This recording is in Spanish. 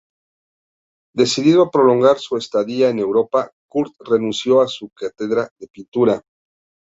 Decidido a prolongar su estadía en Europa, Court renunció a su cátedra de pintura.